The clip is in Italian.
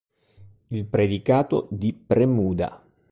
Il predicato di Premuda.